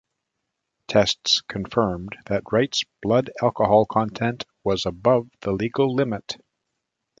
Tests confirmed that Wright's blood alcohol content was above the legal limit.